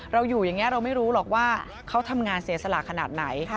เราอยู่อย่างนี้เราไม่รู้หรอกว่าเขาทำงานเสียสละขนาดไหน